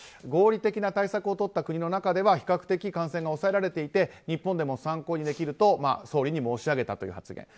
合理的な対策をとった国の中では比較的感染を抑えられていて日本でも参考にできると総理に申し上げたという発言。